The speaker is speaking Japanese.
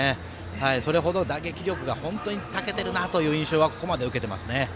それほど打撃力がたけているなと印象がここまで受けています。